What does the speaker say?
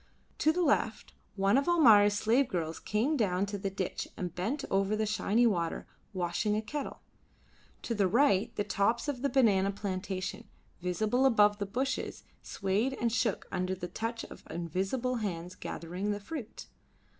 To the left one of Almayer's slave girls came down to the ditch and bent over the shiny water, washing a kettle. To the right the tops of the banana plantation, visible above the bushes, swayed and shook under the touch of invisible hands gathering the fruit.